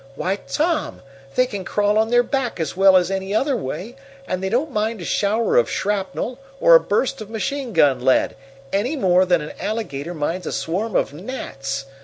Why, Tom, they can crawl on their back as well as any other way, and they don't mind a shower of shrapnel or a burst of machine gun lead, any more than an alligator minds a swarm of gnats.